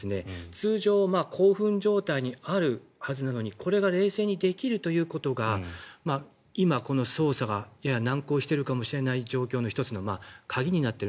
通常、興奮状態にあるはずなのにこれが冷静にできるということが今、この捜査がやや難航しているかもしれない状況の１つの鍵になっている。